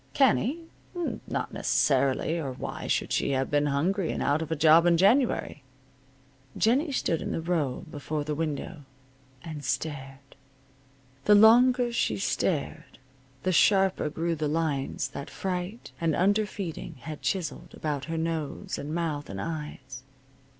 Canny? Not necessarily, or why should she have been hungry and out of a job in January? Jennie stood in the row before the window, and stared. The longer she stared the sharper grew the lines that fright and under feeding had chiseled about her nose, and mouth, and eyes.